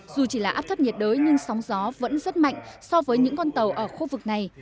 dù chỉ là áp thấp nhiệt đới nhưng sóng gió vẫn rất mạnh so với những con tàu ở khu vực này